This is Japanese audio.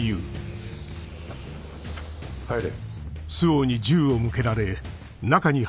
入れ。